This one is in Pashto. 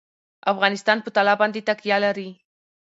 افغانستان په طلا باندې تکیه لري.